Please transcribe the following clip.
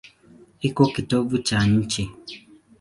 Iko kitovu cha nchi.